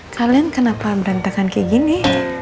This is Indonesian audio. kalian kenapa berantakan kayak gini